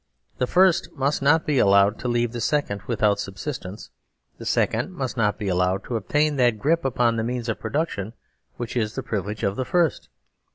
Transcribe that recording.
The first must not be allowed to leave the second without subsistence ; the second must not be allowed to obtain that grip upon the means of pro duction which is the privilege of the first.